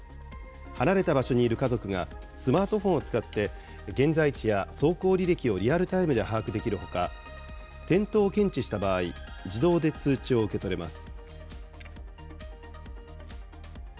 離れた場所にいる家族が、スマートフォンを使って現在地や走行履歴をリアルタイムに把握できるほか、転倒を検知した場合、自動で通知を受け取れます。